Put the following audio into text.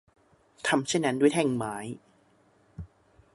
ทำเช่นนั้นด้วยแท่งไม้